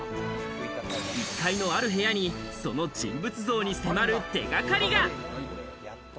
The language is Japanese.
１階のある部屋に、その人物像に迫る手掛かりが。